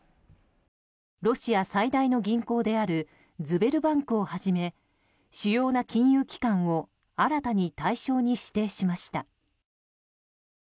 ロシア最大の銀行であるズベルバンクをはじめ主要な金融機関を新たに対象に指定しました。